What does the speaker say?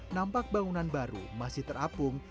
nampak bangunan baru masih terapung